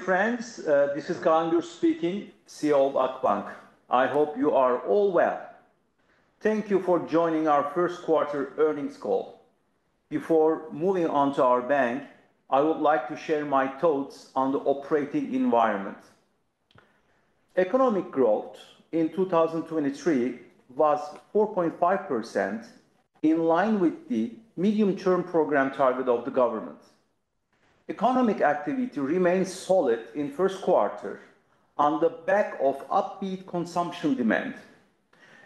Friends, this is Kaan Gür speaking, CEO of Akbank. I hope you are all well. Thank you for joining our first quarter earnings call. Before moving on to our bank, I would like to share my thoughts on the operating environment. Economic growth in 2023 was 4.5%, in line with the medium-term program target of the government. Economic activity remains solid in first quarter on the back of upbeat consumption demand.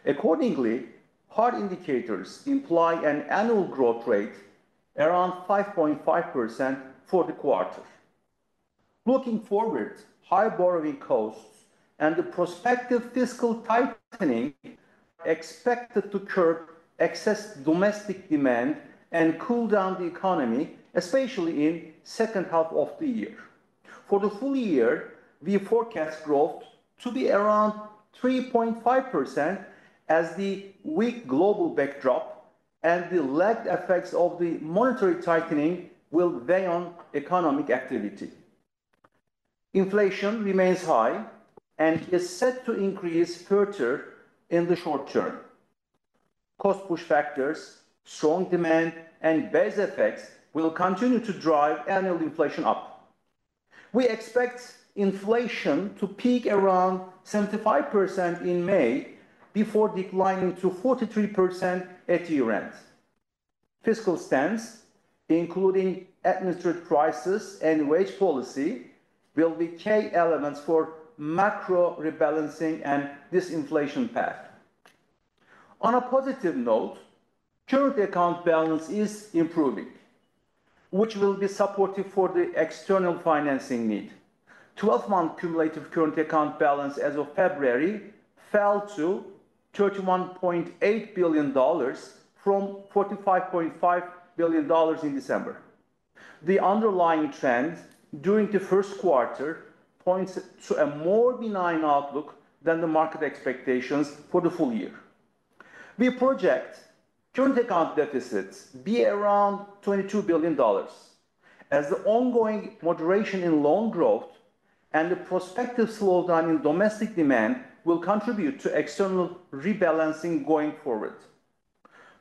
Accordingly, hard indicators imply an annual growth rate around 5.5% for the quarter. Looking forward, high borrowing costs and the prospective fiscal tightening are expected to curb excess domestic demand and cool down the economy, especially in second half of the year. For the full year, we forecast growth to be around 3.5%, as the weak global backdrop and the lagged effects of the monetary tightening will weigh on economic activity. Inflation remains high and is set to increase further in the short term. Cost push factors, strong demand, and base effects will continue to drive annual inflation up. We expect inflation to peak around 75% in May before declining to 43% at year-end. Fiscal stance, including administered prices and wage policy, will be key elements for macro rebalancing and disinflation path. On a positive note, current account balance is improving, which will be supportive for the external financing need. Twelve-month cumulative current account balance as of February fell to $31.8 billion from $45.5 billion in December. The underlying trend during the first quarter points to a more benign outlook than the market expectations for the full year. We project current account deficits be around $22 billion, as the ongoing moderation in loan growth and the prospective slowdown in domestic demand will contribute to external rebalancing going forward.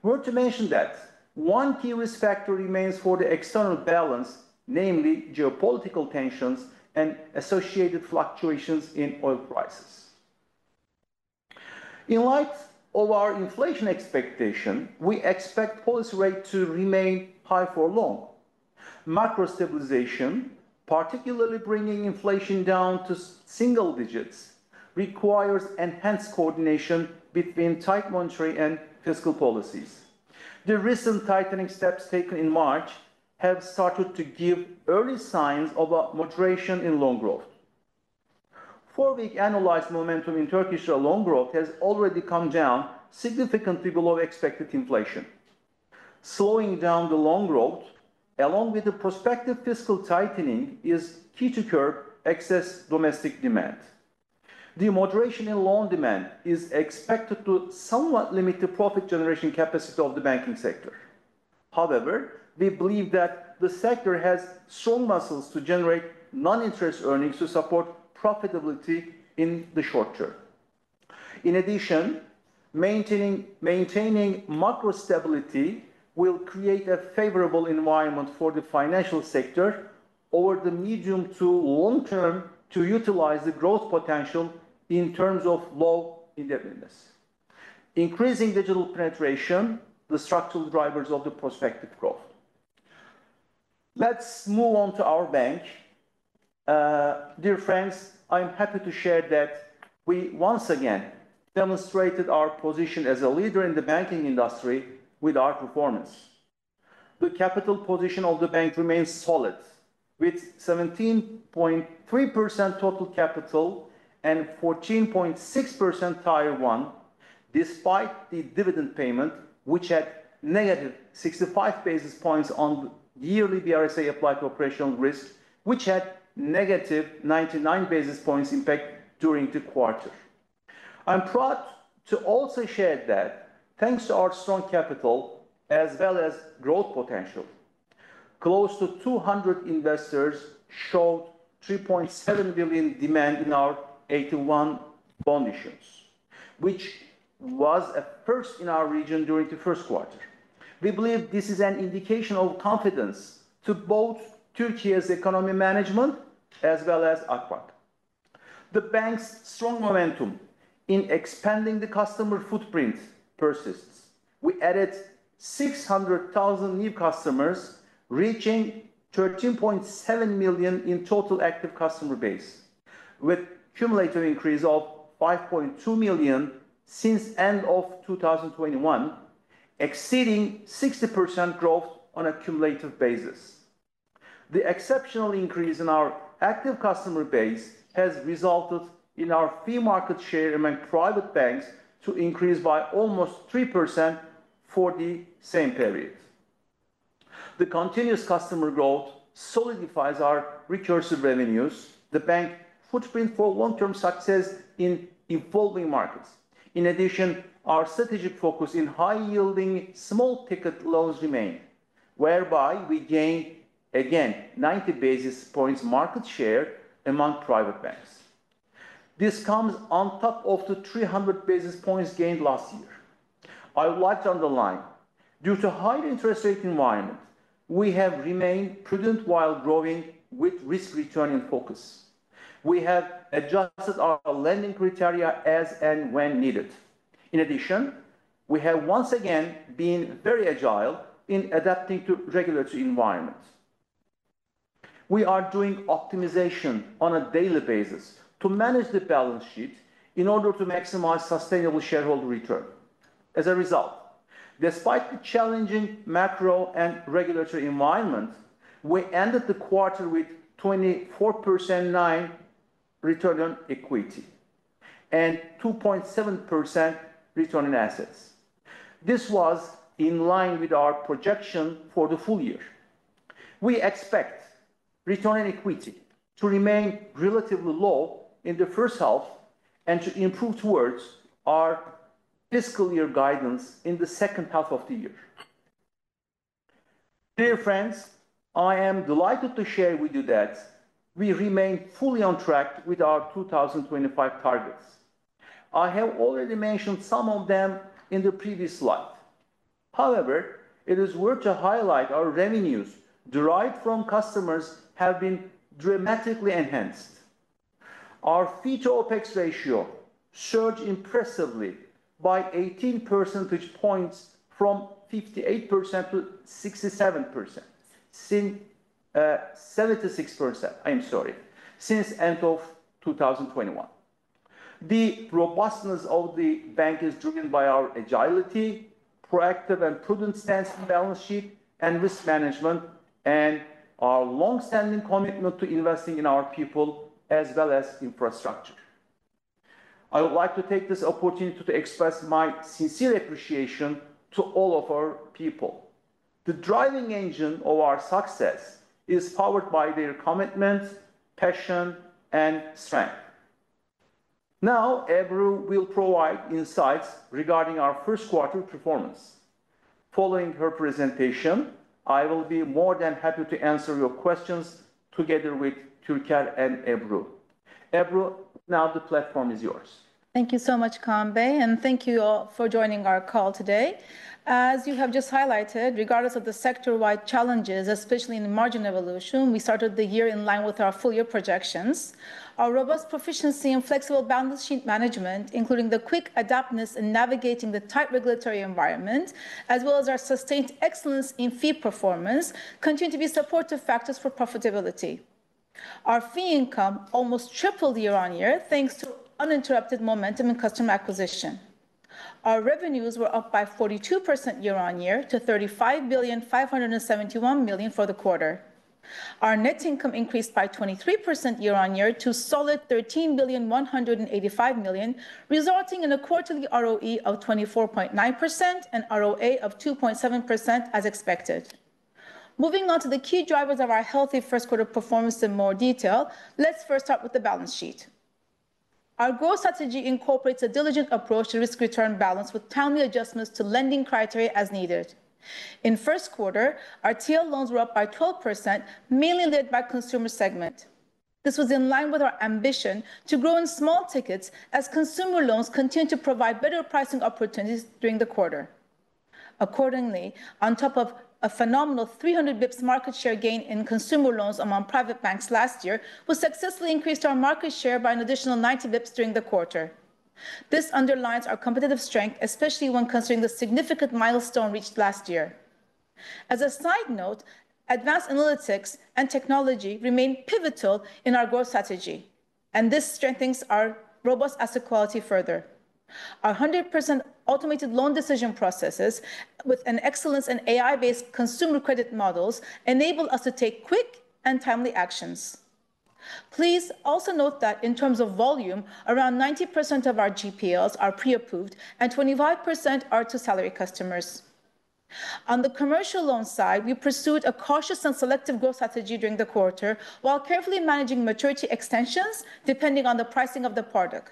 We're to mention that one key risk factor remains for the external balance, namely geopolitical tensions and associated fluctuations in oil prices. In light of our inflation expectation, we expect policy rate to remain high for long. Macro stabilization, particularly bringing inflation down to single digits, requires enhanced coordination between tight monetary and fiscal policies. The recent tightening steps taken in March have started to give early signs of a moderation in loan growth. Four-week annualized momentum in Turkish loan growth has already come down significantly below expected inflation. Slowing down the loan growth, along with the prospective fiscal tightening, is key to curb excess domestic demand. The moderation in loan demand is expected to somewhat limit the profit generation capacity of the banking sector. However, we believe that the sector has strong muscles to generate non-interest earnings to support profitability in the short term. In addition, maintaining macro stability will create a favorable environment for the financial sector over the medium to long term to utilize the growth potential in terms of low indebtedness. Increasing digital penetration, the structural drivers of the prospective growth. Let's move on to our bank. Dear friends, I'm happy to share that we once again demonstrated our position as a leader in the banking industry with our performance. The capital position of the bank remains solid, with 17.3% total capital and 14.6% Tier 1, despite the dividend payment, which had negative 65 basis points on yearly BRSA applied to operational risk, which had negative 99 basis points impact during the quarter. I'm proud to also share that thanks to our strong capital as well as growth potential, close to 200 investors showed 3.7 billion demand in our AT1 bond issues, which was a first in our region during the first quarter. We believe this is an indication of confidence to both Turkey's economy management as well as Akbank. The bank's strong momentum in expanding the customer footprint persists. We added 600,000 new customers, reaching 13.7 million in total active customer base, with cumulative increase of 5.2 million since end of 2021, exceeding 60% growth on a cumulative basis. The exceptional increase in our active customer base has resulted in our fee market share among private banks to increase by almost 3% for the same period. The continuous customer growth solidifies our recurring revenues, the bank footprint for long-term success in evolving markets. In addition, our strategic focus in high-yielding small-ticket loans remain whereby we gained, again, 90 basis points market share among private banks. This comes on top of the 300 basis points gained last year. I would like to underline, due to high interest rate environment, we have remained prudent while growing with risk-return in focus. We have adjusted our lending criteria as and when needed. In addition, we have once again been very agile in adapting to regulatory environment. We are doing optimization on a daily basis to manage the balance sheet in order to maximize sustainable shareholder return. As a result, despite the challenging macro and regulatory environment, we ended the quarter with 24.9% return on equity and 2.7% return on assets. This was in line with our projection for the full year. We expect return on equity to remain relatively low in the first half and to improve towards our fiscal year guidance in the second half of the year. Dear friends, I am delighted to share with you that we remain fully on track with our 2025 targets. I have already mentioned some of them in the previous slide. However, it is worth to highlight our revenues derived from customers have been dramatically enhanced. Our fee to OpEx ratio surged impressively by 18 percentage points, from 58% to 67% since, 76%, I am sorry, since end of 2021. The robustness of the bank is driven by our agility, proactive and prudent stance in balance sheet and risk management, and our long-standing commitment to investing in our people as well as infrastructure. I would like to take this opportunity to express my sincere appreciation to all of our people. The driving engine of our success is powered by their commitment, passion, and strength. Now, Ebru will provide insights regarding our first quarter performance. Following her presentation, I will be more than happy to answer your questions together with Türker and Ebru. Ebru, now the platform is yours. Thank you so much, Kaan Gür, and thank you all for joining our call today. As you have just highlighted, regardless of the sector-wide challenges, especially in the margin evolution, we started the year in line with our full-year projections. Our robust proficiency and flexible balance sheet management, including the quick adaptness in navigating the tight regulatory environment, as well as our sustained excellence in fee performance, continue to be supportive factors for profitability. Our fee income almost tripled year-on-year, thanks to uninterrupted momentum in customer acquisition. Our revenues were up by 42% year-on-year to 35.571 billion for the quarter. Our net income increased by 23% year-on-year to solid 13.185 billion, resulting in a quarterly ROE of 24.9% and ROA of 2.7%, as expected. Moving on to the key drivers of our healthy first quarter performance in more detail, let's first start with the balance sheet. Our growth strategy incorporates a diligent approach to risk-return balance, with timely adjustments to lending criteria as needed. In first quarter, our TL loans were up by 12%, mainly led by consumer segment. This was in line with our ambition to grow in small tickets, as consumer loans continued to provide better pricing opportunities during the quarter. Accordingly, on top of a phenomenal 300 basis points market share gain in consumer loans among private banks last year, we successfully increased our market share by an additional 90 basis points during the quarter. This underlines our competitive strength, especially when considering the significant milestone reached last year. As a side note, advanced analytics and technology remain pivotal in our growth strategy, and this strengthens our robust asset quality further. Our 100% automated loan decision processes, with an excellence in AI-based consumer credit models, enable us to take quick and timely actions. Please also note that in terms of volume, around 90% of our GPLs are pre-approved and 25% are to salary customers. On the commercial loan side, we pursued a cautious and selective growth strategy during the quarter, while carefully managing maturity extensions, depending on the pricing of the product.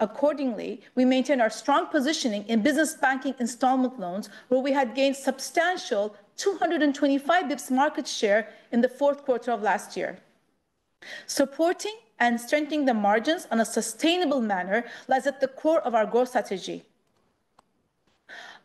Accordingly, we maintain our strong positioning in business banking installment loans, where we had gained substantial 225 basis points market share in the fourth quarter of last year. Supporting and strengthening the margins on a sustainable manner lies at the core of our growth strategy.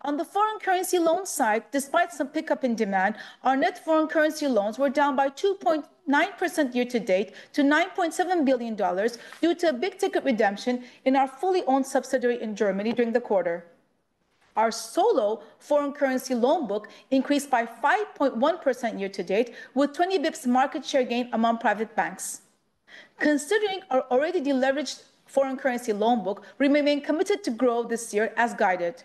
On the foreign currency loan side, despite some pickup in demand, our net foreign currency loans were down by 2.9% year-to-date to $9.7 billion due to a big ticket redemption in our fully owned subsidiary in Germany during the quarter. Our solo foreign currency loan book increased by 5.1% year-to-date, with 20 basis points market share gain among private banks. Considering our already de-leveraged foreign currency loan book, remaining committed to grow this year as guided.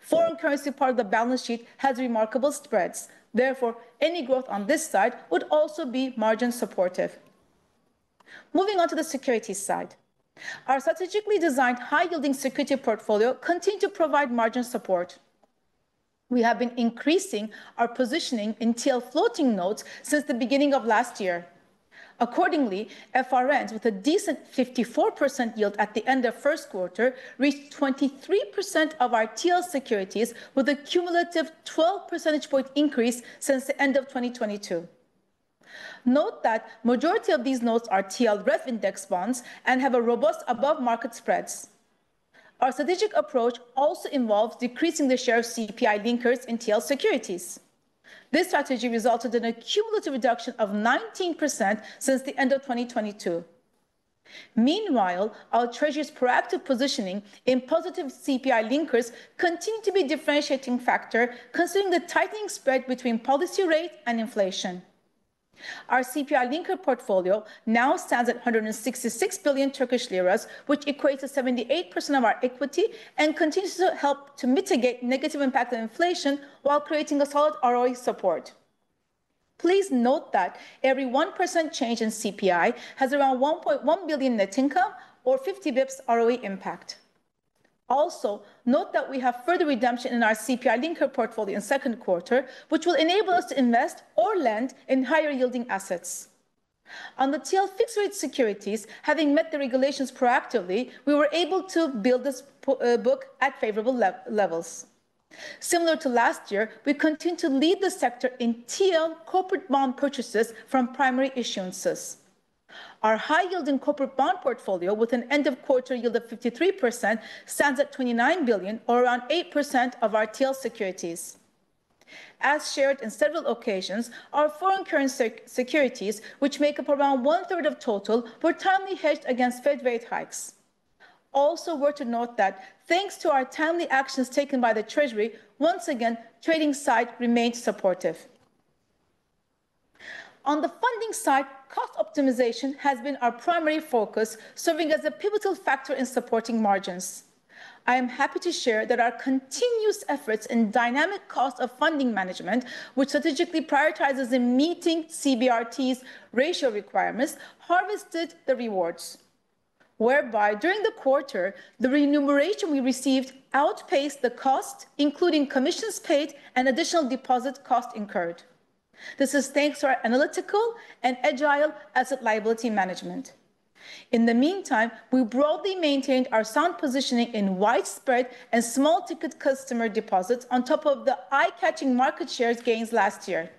Foreign currency part of the balance sheet has remarkable spreads, therefore, any growth on this side would also be margin supportive. Moving on to the securities side. Our strategically designed high-yielding security portfolio continue to provide margin support. We have been increasing our positioning in TL floating notes since the beginning of last year. Accordingly, FRNs, with a decent 54% yield at the end of first quarter, reached 23% of our TL securities, with a cumulative 12 percentage point increase since the end of 2022. Note that majority of these notes are TLREF index bonds and have a robust above-market spreads. Our strategic approach also involves decreasing the share of CPI Linkers in TL securities. This strategy resulted in a cumulative reduction of 19% since the end of 2022. Meanwhile, our Treasury's proactive positioning in positive CPI Linkers continue to be differentiating factor, considering the tightening spread between policy rate and inflation. Our CPI Linker portfolio now stands at 166 billion Turkish lira, which equates to 78% of our equity, and continues to help to mitigate negative impact of inflation while creating a solid ROE support. Please note that every 1% change in CPI has around 1.1 billion net income or 50 basis points ROE impact. Also, note that we have further redemption in our CPI linker portfolio in second quarter, which will enable us to invest or lend in higher-yielding assets. On the TL fixed-rate securities, having met the regulations proactively, we were able to build this book at favorable levels. Similar to last year, we continue to lead the sector in TL corporate bond purchases from primary issuances. Our high-yield corporate bond portfolio, with an end-of-quarter yield of 53%, stands at 29 billion, or around 8% of our TL securities. As shared in several occasions, our foreign currency securities, which make up around one-third of total, were timely hedged against Fed rate hikes. Also worth noting that thanks to our timely actions taken by the Treasury, once again, trading side remained supportive. On the funding side, cost optimization has been our primary focus, serving as a pivotal factor in supporting margins. I am happy to share that our continuous efforts in dynamic cost of funding management, which strategically prioritizes in meeting CBRT's ratio requirements, harvested the rewards, whereby during the quarter, the remuneration we received outpaced the cost, including commissions paid and additional deposit cost incurred. This is thanks to our analytical and agile asset liability management. In the meantime, we broadly maintained our sound positioning in widespread and small-ticket customer deposits on top of the eye-catching market share gains last year.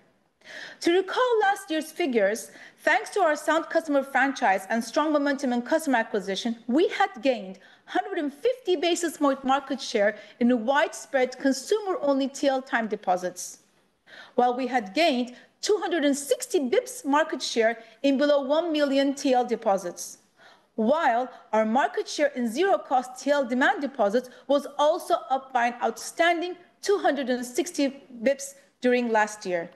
To recall last year's figures, thanks to our sound customer franchise and strong momentum in customer acquisition, we had gained 150 basis points market share in the widespread consumer-only TL time deposits, while we had gained 260 basis points market share in below 1 million TL deposits, while our market share in zero-cost TL demand deposits was also up by an outstanding 260 basis points during last year.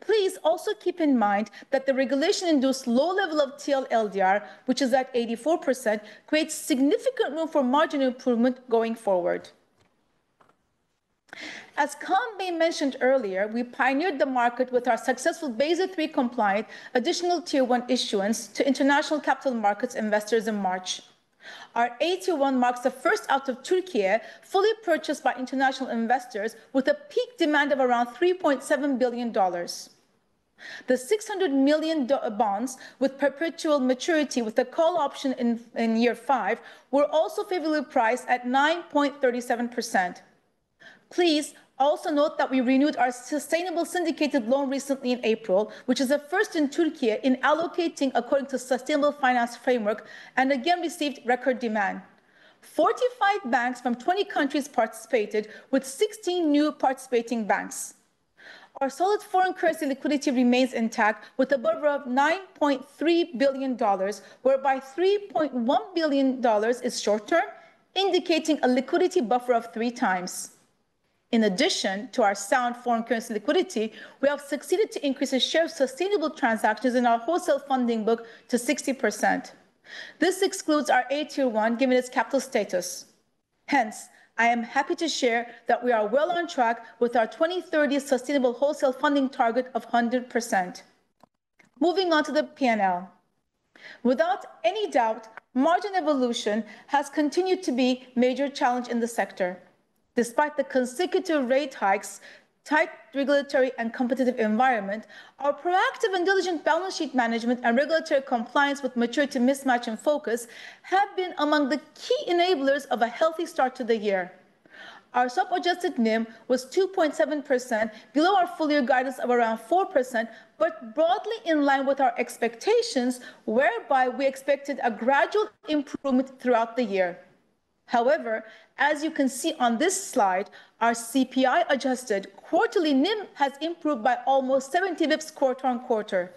Please also keep in mind that the regulation-induced low level of TL LDR, which is at 84%, creates significant room for margin improvement going forward. As Kaan Gür mentioned earlier, we pioneered the market with our successful Basel III compliant additional Tier 1 issuance to international capital markets investors in March. Our AT1 marks the first out of Türkiye, fully purchased by international investors, with a peak demand of around $3.7 billion. The $600 million dollar bonds, with perpetual maturity, with a call option in year five, were also favorably priced at 9.37%. Please also note that we renewed our sustainable syndicated loan recently in April, which is a first in Türkiye in allocating according to sustainable finance framework, and again received record demand. 45 banks from 20 countries participated, with 16 new participating banks. Our solid foreign currency liquidity remains intact, with a buffer of $9.3 billion, whereby $3.1 billion is short term, indicating a liquidity buffer of three times. In addition to our sound foreign currency liquidity, we have succeeded to increase the share of sustainable transactions in our wholesale funding book to 60%. This excludes our AT1, given its capital status. Hence, I am happy to share that we are well on track with our 2030 sustainable wholesale funding target of 100%. Moving on to the P&L. Without any doubt, margin evolution has continued to be major challenge in the sector. Despite the consecutive rate hikes, tight regulatory and competitive environment, our proactive and diligent balance sheet management and regulatory compliance with maturity mismatch and focus have been among the key enablers of a healthy start to the year. Our self-adjusted NIM was 2.7%, below our full-year guidance of around 4%, but broadly in line with our expectations, whereby we expected a gradual improvement throughout the year. However, as you can see on this slide, our CPI-adjusted quarterly NIM has improved by almost 70 basis points quarter-on-quarter.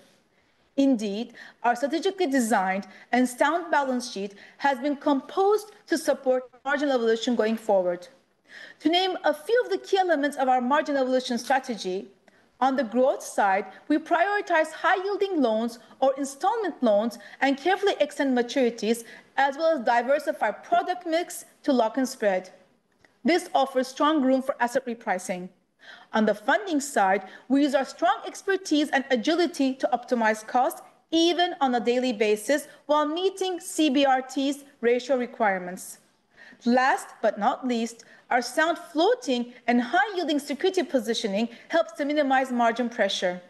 Indeed, our strategically designed and sound balance sheet has been composed to support margin evolution going forward. To name a few of the key elements of our margin evolution strategy, on the growth side, we prioritize high-yielding loans or installment loans and carefully extend maturities, as well as diversify product mix to lock in spread. This offers strong room for asset repricing. On the funding side, we use our strong expertise and agility to optimize costs, even on a daily basis, while meeting CBRT's ratio requirements. Last but not least, our sound floating and high-yielding security positioning helps to minimize margin pressure.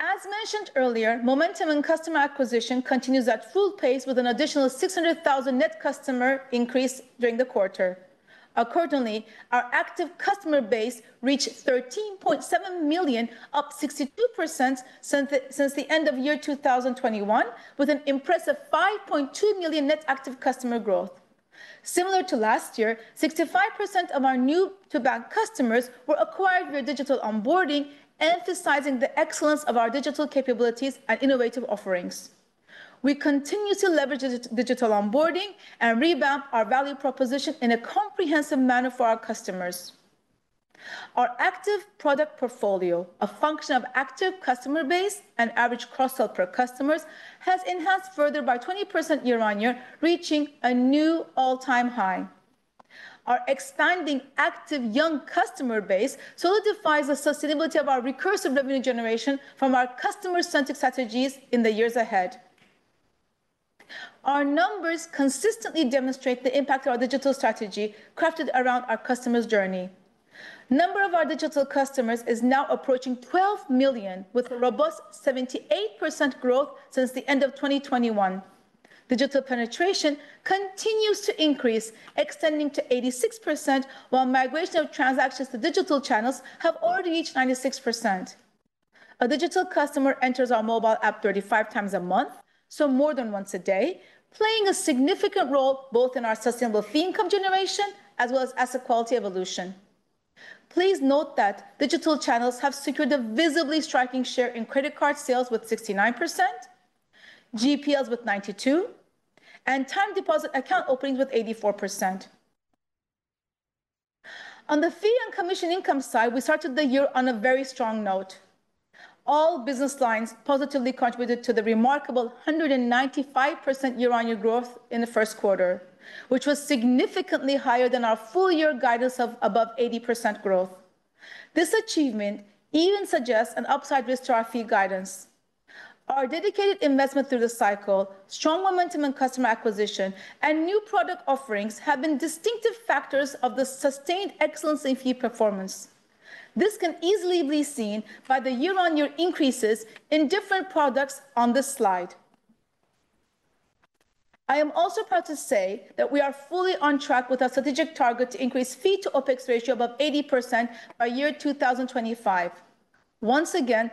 As mentioned earlier, momentum and customer acquisition continues at full pace with an additional 600,000 net customer increase during the quarter. Accordingly, our active customer base reached 13.7 million, up 62% since the end of year 2021, with an impressive 5.2 million net active customer growth. Similar to last year, 65% of our new-to-bank customers were acquired via digital onboarding, emphasizing the excellence of our digital capabilities and innovative offerings. We continue to leverage digital onboarding and revamp our value proposition in a comprehensive manner for our customers. Our active product portfolio, a function of active customer base and average cross-sell per customers, has enhanced further by 20% year-on-year, reaching a new all-time high. Our expanding active young customer base solidifies the sustainability of our recursive revenue generation from our customer-centric strategies in the years ahead. Our numbers consistently demonstrate the impact of our digital strategy crafted around our customers' journey. Number of our digital customers is now approaching 12 million, with a robust 78% growth since the end of 2021. Digital penetration continues to increase, extending to 86%, while migration of transactions to digital channels have already reached 96%. A digital customer enters our mobile app 35 times a month, so more than once a day, playing a significant role both in our sustainable fee income generation as well as asset quality evolution. Please note that digital channels have secured a visibly striking share in credit card sales with 69%, GPLs with 92%, and time deposit account openings with 84%. On the fee and commission income side, we started the year on a very strong note. All business lines positively contributed to the remarkable 195% year-on-year growth in the first quarter, which was significantly higher than our full year guidance of above 80% growth. This achievement even suggests an upside risk to our fee guidance. Our dedicated investment through the cycle, strong momentum in customer acquisition, and new product offerings have been distinctive factors of the sustained excellence in fee performance. This can easily be seen by the year-on-year increases in different products on this slide. I am also proud to say that we are fully on track with our strategic target to increase fee to OpEx ratio above 80% by 2025. Once again,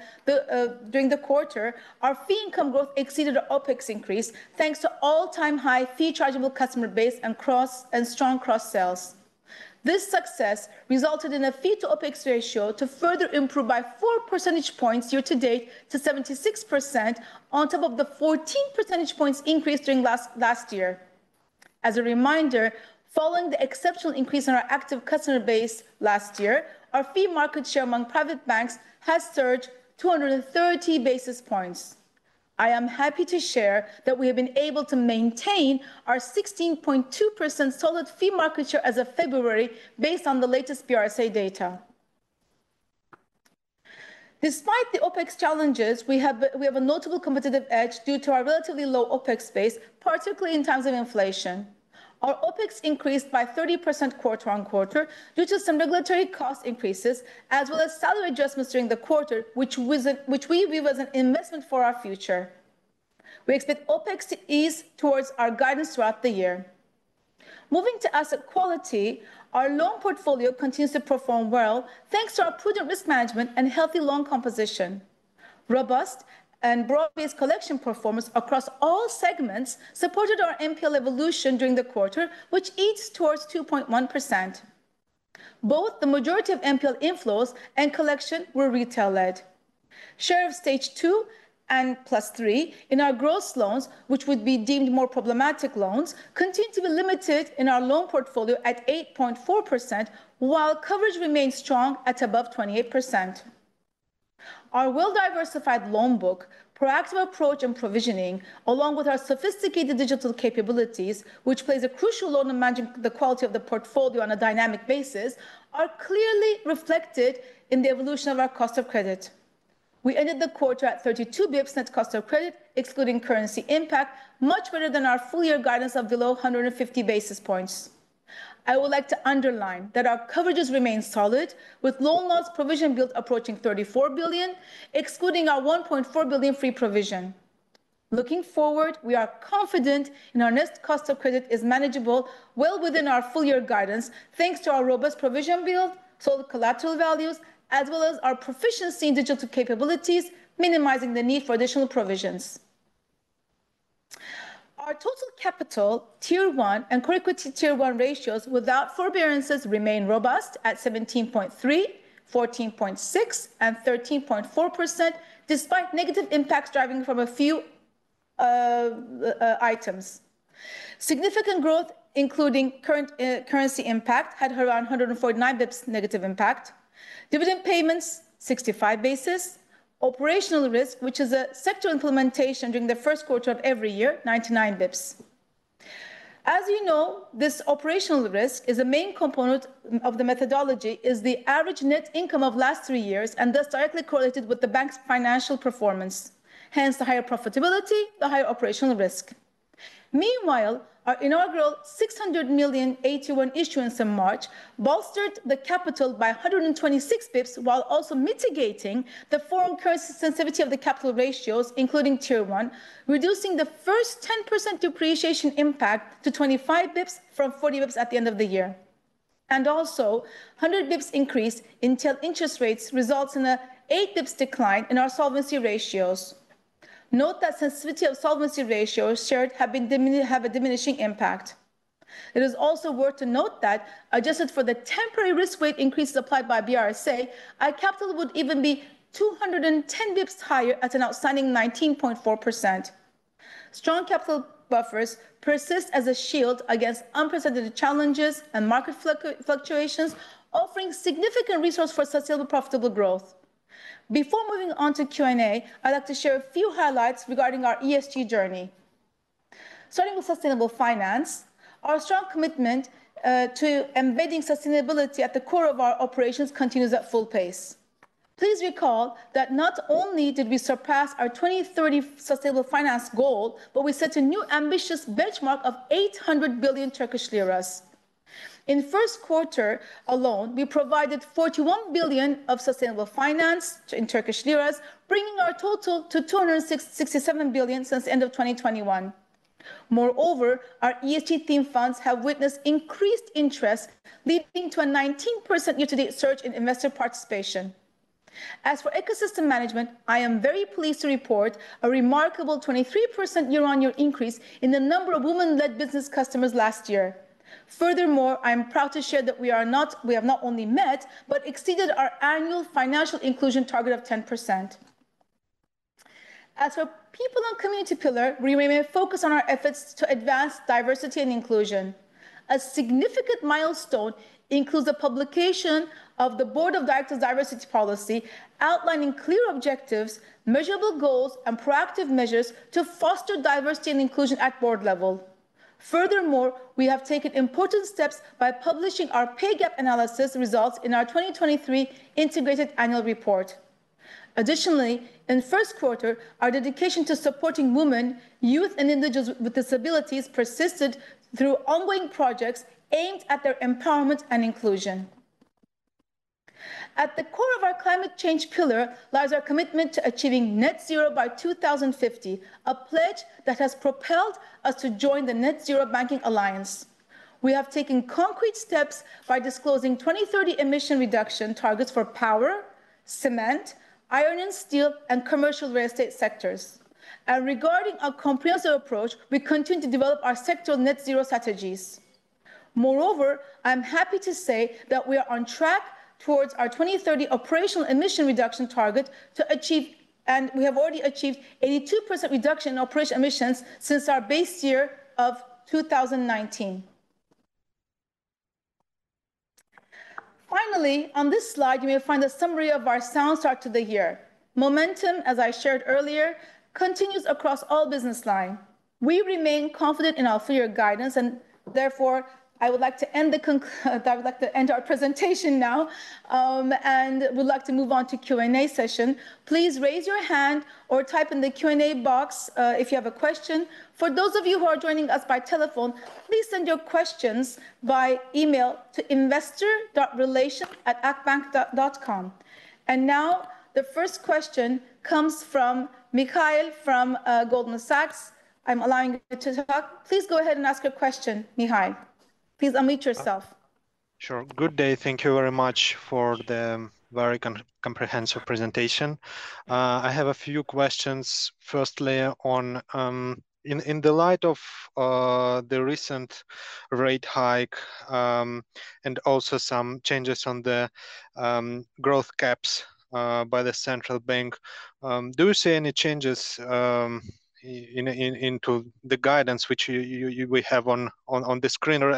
during the quarter, our fee income growth exceeded our OpEx increase, thanks to all-time high fee chargeable customer base and cross- and strong cross-sells. This success resulted in a fee to OpEx ratio to further improve by 4 percentage points year to date to 76%, on top of the 14 percentage points increase during last year. As a reminder, following the exceptional increase in our active customer base last year, our fee market share among private banks has surged 230 basis points. I am happy to share that we have been able to maintain our 16.2% solid fee market share as of February, based on the latest BRSA data. Despite the OpEx challenges, we have a notable competitive edge due to our relatively low OpEx base, particularly in times of inflation. Our OpEx increased by 30% quarter-over-quarter due to some regulatory cost increases, as well as salary adjustments during the quarter, which we view as an investment for our future. We expect OpEx to ease towards our guidance throughout the year. Moving to asset quality, our loan portfolio continues to perform well, thanks to our prudent risk management and healthy loan composition. Robust and broad-based collection performance across all segments supported our NPL evolution during the quarter, which eased towards 2.1%. Both the majority of NPL inflows and collection were retail-led. Share of stage two and plus three in our gross loans, which would be deemed more problematic loans, continue to be limited in our loan portfolio at 8.4%, while coverage remains strong at above 28%. Our well-diversified loan book, proactive approach and provisioning, along with our sophisticated digital capabilities, which plays a crucial role in managing the quality of the portfolio on a dynamic basis, are clearly reflected in the evolution of our cost of credit. We ended the quarter at 32 basis points net cost of credit, excluding currency impact, much better than our full year guidance of below 150 basis points. I would like to underline that our coverages remain solid, with loan loss provision built approaching 34 billion, excluding our 1.4 billion free provision. Looking forward, we are confident in our next cost of credit is manageable, well within our full year guidance, thanks to our robust provision build, solid collateral values, as well as our proficiency in digital capabilities, minimizing the need for additional provisions. Our total capital, Tier 1 and Core Equity Tier 1 ratios without forbearances remain robust at 17.3%, 14.6%, and 13.4%, despite negative impacts driving from a few items. Significant growth, including current currency impact, had around 149 basis points negative impact; dividend payments, 65 basis points; operational risk, which is a sector implementation during the first quarter of every year, 99 basis points. As you know, this operational risk is a main component of the methodology, is the average net income of last three years, and thus directly correlated with the bank's financial performance. Hence, the higher profitability, the higher operational risk. Meanwhile, our inaugural $600 million AT1 issuance in March bolstered the capital by 126 basis points, while also mitigating the foreign currency sensitivity of the capital ratios, including Tier 1, reducing the first 10% depreciation impact to 25 basis points from 40 basis points at the end of the year. A 100 basis points increase in TL interest rates results in an 8 basis points decline in our solvency ratios. Note that sensitivity of solvency ratios shared have a diminishing impact. It is also worth noting that adjusted for the temporary risk weight increases applied by BRSA, our capital would even be 210 basis points higher at an outstanding 19.4%. Strong capital buffers persist as a shield against unprecedented challenges and market fluctuations, offering significant resource for sustainable, profitable growth. Before moving on to Q&A, I'd like to share a few highlights regarding our ESG journey. Starting with sustainable finance, our strong commitment to embedding sustainability at the core of our operations continues at full pace. Please recall that not only did we surpass our 2030 sustainable finance goal, but we set a new ambitious benchmark of 800 billion Turkish lira. In first quarter alone, we provided 41 billion of sustainable finance in Turkish liras, bringing our total to 267 billion since the end of 2021. Moreover, our ESG theme funds have witnessed increased interest, leading to a 19% year-to-date surge in investor participation. As for ecosystem management, I am very pleased to report a remarkable 23% year-on-year increase in the number of women-led business customers last year. Furthermore, I am proud to share that we have not only met, but exceeded our annual financial inclusion target of 10%. As for people and community pillar, we remain focused on our efforts to advance diversity and inclusion. A significant milestone includes the publication of the Board of Directors diversity policy, outlining clear objectives, measurable goals, and proactive measures to foster diversity and inclusion at board level. Furthermore, we have taken important steps by publishing our pay gap analysis results in our 2023 integrated annual report. Additionally, in first quarter, our dedication to supporting women, youth, and individuals with disabilities persisted through ongoing projects aimed at their empowerment and inclusion. At the core of our climate change pillar lies our commitment to achieving net zero by 2050, a pledge that has propelled us to join the Net Zero Banking Alliance. We have taken concrete steps by disclosing 2030 emission reduction targets for power, cement, iron and steel, and commercial real estate sectors. Regarding our comprehensive approach, we continue to develop our sectoral net zero strategies. Moreover, I am happy to say that we are on track towards our 2030 operational emission reduction target to achieve, and we have already achieved 82% reduction in operational emissions since our base year of 2019. Finally, on this slide, you may find a summary of our sound start to the year. Momentum, as I shared earlier, continues across all business line. We remain confident in our full year guidance, and therefore, I would like to end our presentation now, and would like to move on to Q&A session. Please raise your hand or type in the Q&A box if you have a question. For those of you who are joining us by telephone, please send your questions by email to investor.relations@akbank.com. Now, the first question comes from Mikhail from Goldman Sachs. I'm allowing you to talk. Please go ahead and ask your question, Mikhail. Please unmute yourself. Sure. Good day. Thank you very much for the very comprehensive presentation. I have a few questions. Firstly, in the light of the recent rate hike and also some changes on the growth caps by the central bank, do you see any changes in the guidance which we have on the screen? Or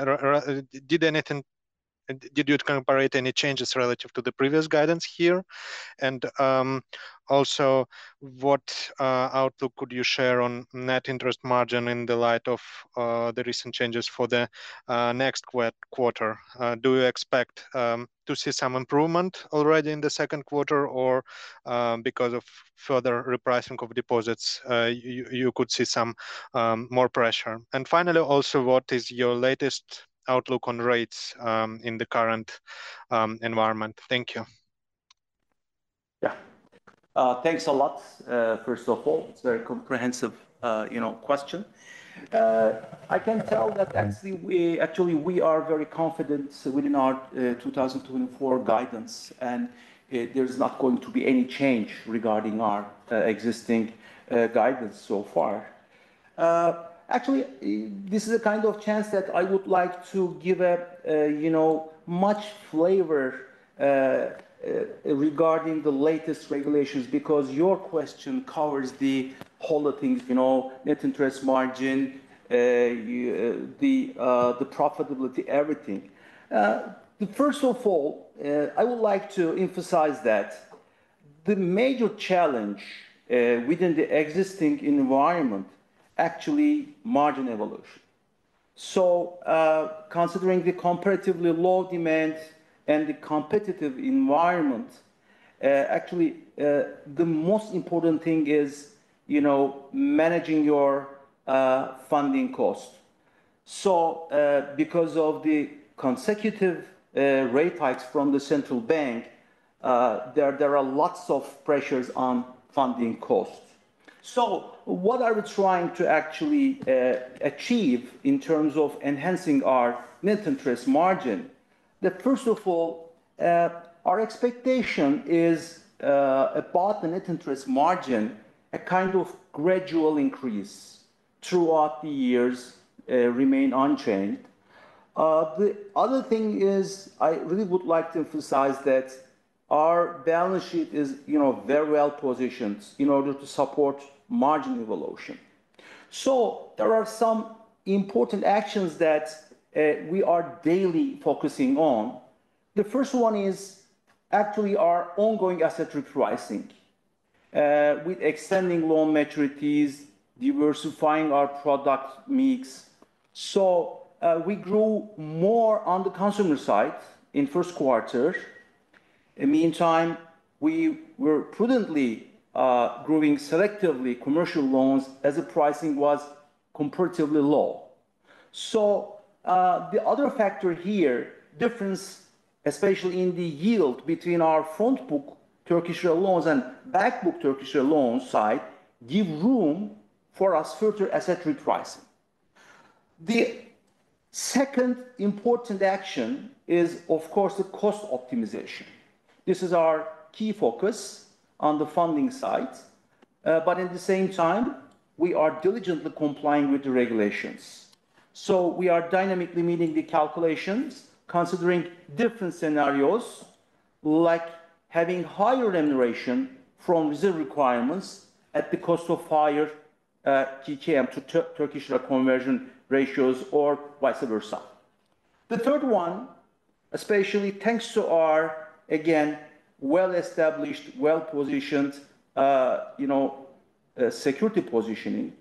did you compare it, any changes relative to the previous guidance here? And also, what outlook could you share on net interest margin in the light of the recent changes for the next quarter? Do you expect to see some improvement already in the second quarter? Or, because of further repricing of deposits, you could see some more pressure. Finally, also, what is your latest outlook on rates in the current environment? Thank you. Yeah. Thanks a lot. First of all, it's a very comprehensive, you know, question. I can tell that actually, we, actually, we are very confident within our 2024 guidance, and there's not going to be any change regarding our existing guidance so far. Actually, this is a kind of chance that I would like to give a, you know, much flavor regarding the latest regulations, because your question covers the whole of things, you know, net interest margin, the profitability, everything. First of all, I would like to emphasize that the major challenge within the existing environment, actually margin evolution. So, considering the comparatively low demand and the competitive environment, actually, the most important thing is, you know, managing your funding cost. So, because of the consecutive rate hikes from the central bank, there are lots of pressures on funding costs. So what are we trying to actually achieve in terms of enhancing our net interest margin? That first of all, our expectation is about the net interest margin, a kind of gradual increase throughout the years remain unchanged. The other thing is, I really would like to emphasize that our balance sheet is, you know, very well positioned in order to support margin evolution. So there are some important actions that we are daily focusing on. The first one is actually our ongoing asset repricing with extending loan maturities, diversifying our product mix. So, we grew more on the consumer side in first quarter. In meantime, we were prudently growing selectively commercial loans as the pricing was comparatively low. So, the other factor here, difference, especially in the yield between our front book Turkish Lira loans and back book Turkish Lira loan side, give room for us further asset repricing. The second important action is, of course, the cost optimization. This is our key focus on the funding side. But at the same time, we are diligently complying with the regulations. So we are dynamically meeting the calculations, considering different scenarios, like having higher remuneration from reserve requirements at the cost of higher KKM to Turkish Lira conversion ratios or vice versa. The third one, especially thanks to our, again, well-established, well-positioned, you know, security positioning,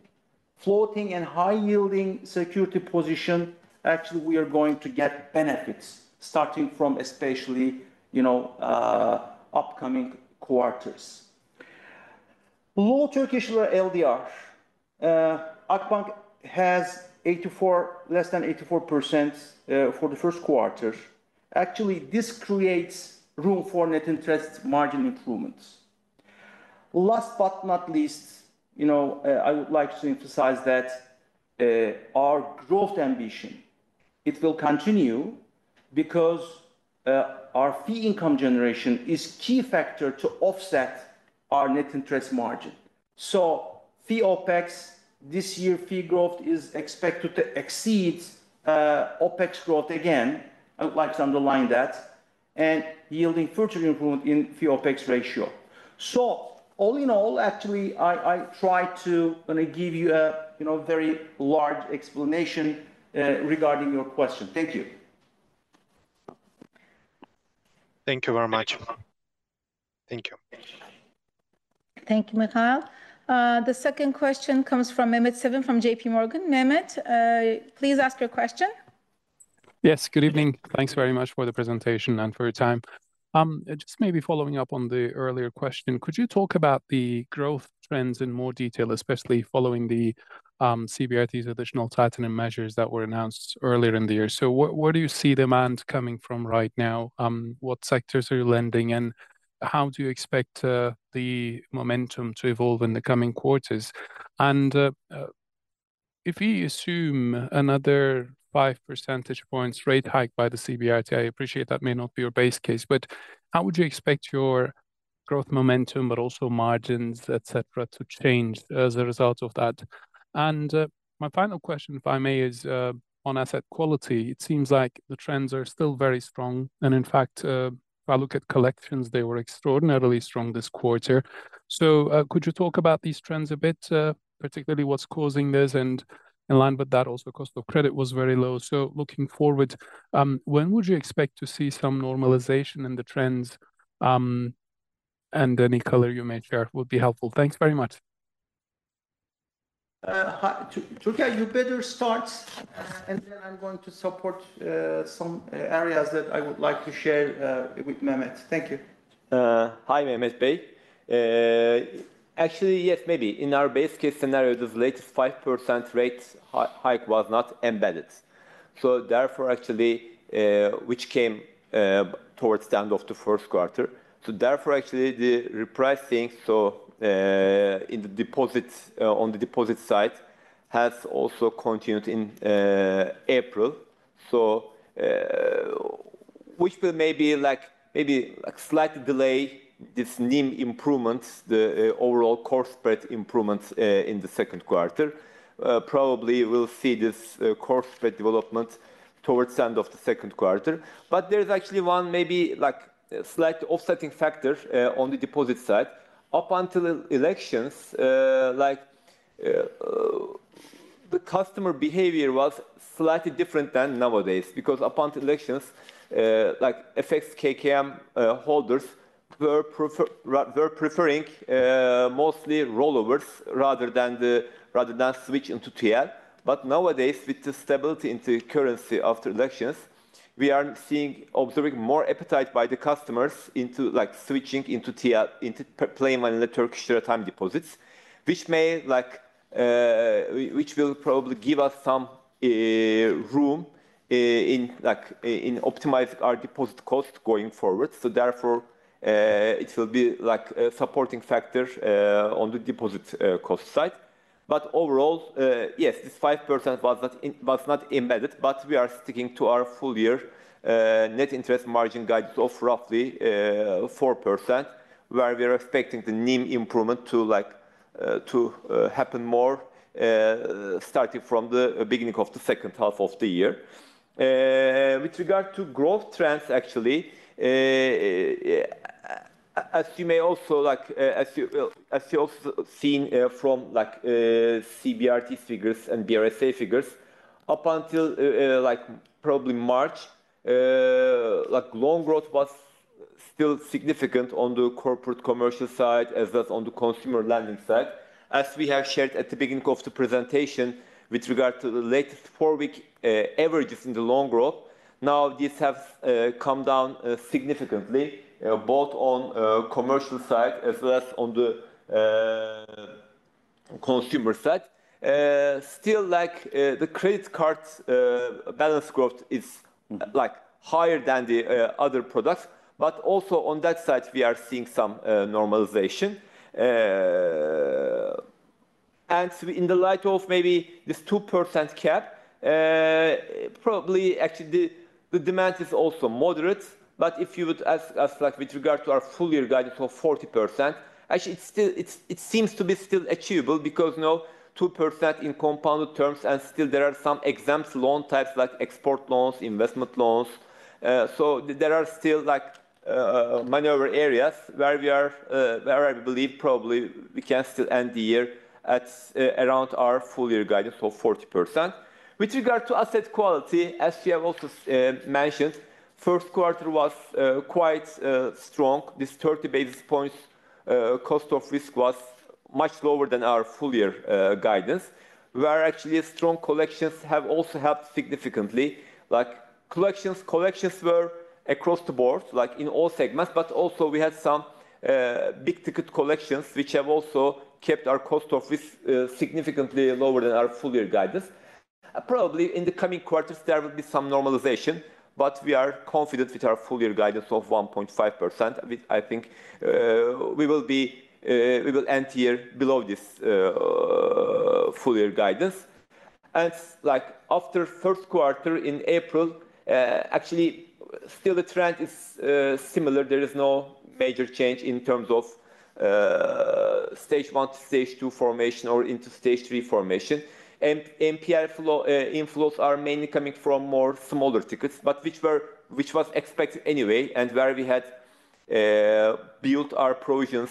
floating and high-yielding security position, actually, we are going to get benefits starting from especially, you know, upcoming quarters. Low Turkish lira LDR, Akbank has 84, less than 84% for the first quarter. Actually, this creates room for net interest margin improvements. Last but not least, you know, I would like to emphasize that, our growth ambition, it will continue because, our fee income generation is key factor to offset our net interest margin. So fee OpEx, this year, fee growth is expected to exceed, OpEx growth again, I would like to underline that, and yielding further improvement in fee OpEx ratio. So all in all, actually, I tried to, give you a, you know, very large explanation, regarding your question. Thank you. Thank you very much. Thank you. Thank you, Mikhail. The second question comes from Mehmet Sevim from JPMorgan. Mehmet, please ask your question. Yes, good evening. Thanks very much for the presentation and for your time. Just maybe following up on the earlier question, could you talk about the growth trends in more detail, especially following the CBRT's additional tightening measures that were announced earlier in the year? So where, where do you see demand coming from right now? What sectors are you lending, and how do you expect the momentum to evolve in the coming quarters? And if we assume another 5 percentage points rate hike by the CBRT, I appreciate that may not be your base case, but how would you expect your growth momentum, but also margins, et cetera, to change as a result of that? And my final question, if I may, is on asset quality. It seems like the trends are still very strong, and in fact, if I look at collections, they were extraordinarily strong this quarter. So, could you talk about these trends a bit, particularly what's causing this? And in line with that also, cost of credit was very low. So looking forward, when would you expect to see some normalization in the trends? And any color you may share would be helpful. Thanks very much. Hi, Türker, you better start, and then I'm going to support some areas that I would like to share with Mehmet. Thank you. Hi, Mehmet and Gür. Actually, yes, maybe. In our base case scenario, the latest 5% rate hike was not embedded. So therefore, actually, which came towards the end of the first quarter. So therefore, actually, the repricing, so, in the deposits, on the deposit side, has also continued in April. So, which will maybe like, maybe like slightly delay this NIM improvements, the overall core spread improvements, in the second quarter. Probably we'll see this core spread development towards the end of the second quarter. But there's actually one maybe, like, slight offsetting factor, on the deposit side. Up until the elections, like, the customer behavior was slightly different than nowadays, because up until elections, like, affects KKM holders. We prefer, we're preferring mostly rollovers rather than the, rather than switch into TL. But nowadays, with the stability in the currency after elections, we are seeing, observing more appetite by the customers into, like, switching into TL, into playing with the Turkish lira time deposits, which may like, which will probably give us some room in like, in optimizing our deposit cost going forward. So therefore, it will be like a supporting factor on the deposit cost side. But overall, yes, this 5% was not, was not embedded, but we are sticking to our full year net interest margin guidance of roughly 4%, where we are expecting the NIM improvement to like, to happen more starting from the beginning of the second half of the year. With regard to growth trends, actually, as you may also like, as you've also seen, from like, CBRT figures and BRSA figures, up until, like probably March, like loan growth was still significant on the corporate commercial side, as was on the consumer lending side. As we have shared at the beginning of the presentation, with regard to the latest four-week averages in the loan growth, now these have come down significantly, both on commercial side as well as on the consumer side. Still, like, the credit card's balance growth is, like, higher than the other products, but also on that side we are seeing some normalization. And so in the light of maybe this 2% cap, probably actually the demand is also moderate. But if you would ask us, like, with regard to our full year guidance of 40%, actually, it's still, it's, it seems to be still achievable because, you know, 2% in compounded terms, and still there are some exempt loan types like export loans, investment loans. So there are still, like, maneuver areas where we are, where I believe probably we can still end the year at, around our full year guidance of 40%. With regard to asset quality, as we have also mentioned, first quarter was quite strong. This 30 basis points cost of risk was much lower than our full year guidance, where actually a strong collections have also helped significantly. Like, collections, collections were across the board, like in all segments, but also we had some big ticket collections, which have also kept our cost of risk significantly lower than our full year guidance. Probably, in the coming quarters, there will be some normalization, but we are confident with our full year guidance of 1.5%. I think we will be, we will end the year below this full year guidance. And like after first quarter in April, actually, still the trend is similar. There is no major change in terms of stage one to stage two formation or into stage three formation. And NPL flow inflows are mainly coming from more smaller tickets, but which were, which was expected anyway, and where we had built our provisions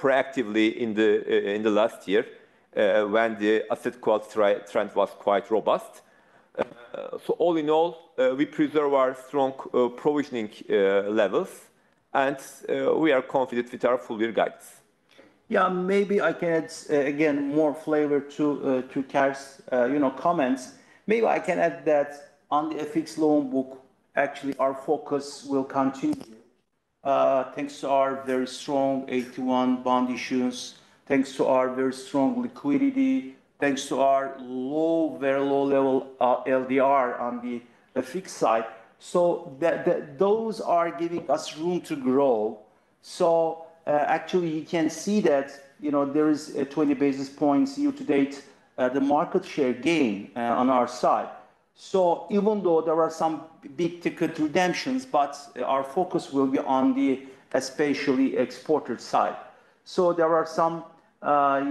proactively in the last year, when the asset quality trend was quite robust. So all in all, we preserve our strong provisioning levels, and we are confident with our full year guidance. Yeah, maybe I can add, again, more flavor to Türker's, you know, comments. Maybe I can add that on the FX loan book, actually, our focus will continue, thanks to our very strong 81 bond issuance, thanks to our very strong liquidity, thanks to our low, very low level, LDR on the fixed side. So the, those are giving us room to grow. So, actually, you can see that, you know, there is a 20 basis points year to date, the market share gain, on our side. So even though there are some big ticket redemptions, but our focus will be on the especially exporter side. So there are some,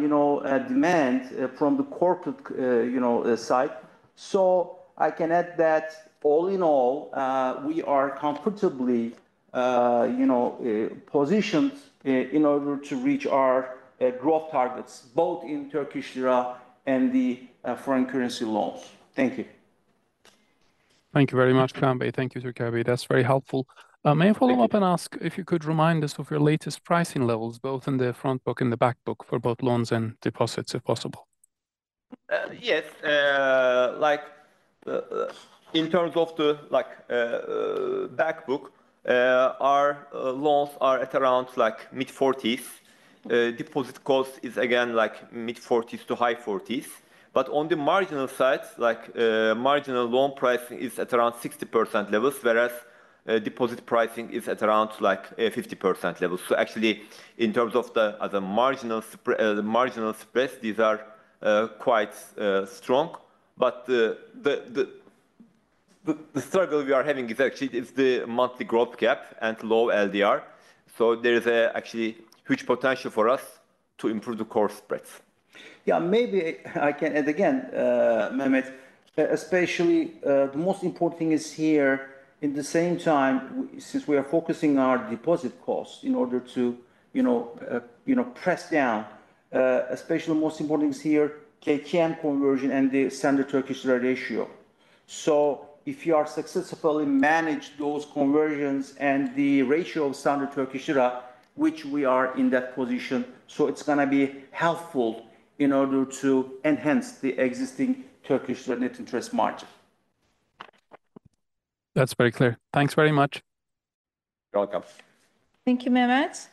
you know, demand from the corporate, you know, side. So, I can add that all in all, we are comfortably, you know, positioned in order to reach our growth targets, both in Turkish lira and the foreign currency loans. Thank you. Thank you very much, Kaan Gür. Thank you, Sir Türker. That's very helpful. May I follow up- Thank you. ask if you could remind us of your latest pricing levels, both in the front book and the back book, for both loans and deposits, if possible? Yes. Like, in terms of the back book, our loans are at around mid-40s. Deposit cost is again mid-40s to high 40s. But on the marginal side, marginal loan pricing is at around 60% levels, whereas deposit pricing is at around 50% levels. So actually, in terms of the marginal spreads, these are quite strong. But the struggle we are having is the monthly growth gap and low LDR. So there is actually huge potential for us to improve the core spreads. Yeah, maybe I can add again, Mehmet, especially, the most important thing is here. In the same time, since we are focusing on our deposit costs in order to, you know, you know, press down, especially the most important things here, KKM conversion and the standard Turkish Lira ratio. So if you are successfully manage those conversions and the ratio of standard Turkish lira, which we are in that position, so it's gonna be helpful in order to enhance the existing Turkish net interest margin. That's very clear. Thanks very much. You're welcome. Thank you, Mehmet.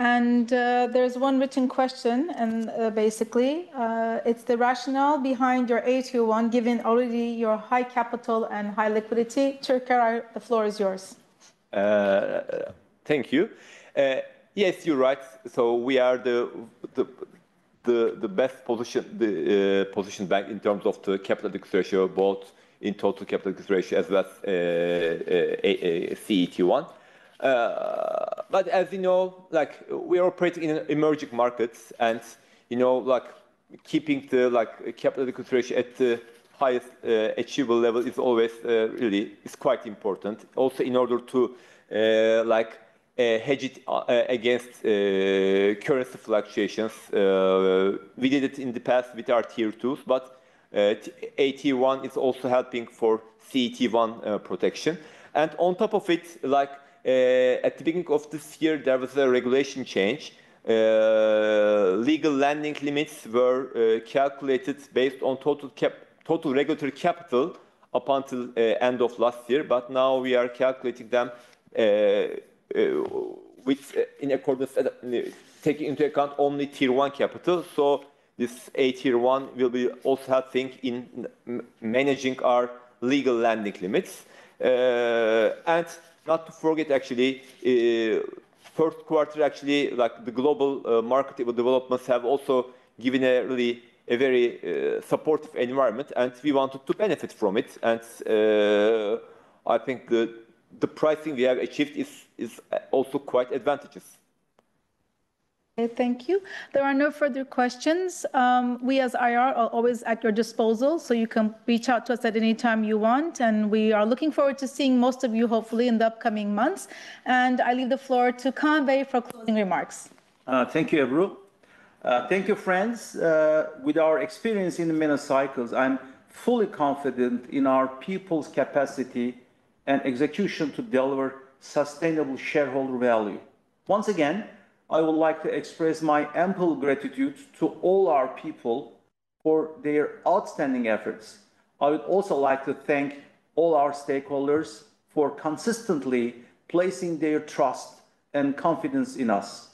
And there's one written question, and basically, it's the rationale behind your AT1, given already your high capital and high liquidity. Türker, the floor is yours. Thank you. Yes, you're right. So we are the best positioned bank in terms of the capital ratio, both in total capital ratio as well as CET1. But as you know, like, we operate in emerging markets, and, you know, like, keeping the, like, capital ratio at the highest achievable level is always really is quite important. Also, in order to, like, hedge it against currency fluctuations, we did it in the past with our Tier Twos, but AT1 is also helping for CET1 protection. And on top of it, like, at the beginning of this year, there was a regulation change. Legal lending limits were calculated based on total regulatory capital up until end of last year, but now we are calculating them, which, in accordance, taking into account only Tier 1 capital. So this AT1 will be also helping in managing our legal lending limits. And not to forget, actually, first quarter, actually, like, the global market developments have also given a really, a very supportive environment, and we wanted to benefit from it. And I think the pricing we have achieved is also quite advantageous. Okay, thank you. There are no further questions. We, as IR, are always at your disposal, so you can reach out to us at any time you want, and we are looking forward to seeing most of you, hopefully, in the upcoming months. I leave the floor to Kaan Gür for closing remarks. Thank you, Ebru. Thank you, friends. With our experience in the many cycles, I'm fully confident in our people's capacity and execution to deliver sustainable shareholder value. Once again, I would like to express my ample gratitude to all our people for their outstanding efforts. I would also like to thank all our stakeholders for consistently placing their trust and confidence in us.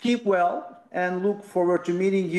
Keep well, and look forward to meeting you.